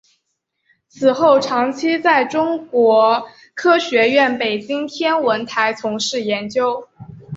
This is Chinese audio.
此后长期在中国科学院北京天文台从事研究。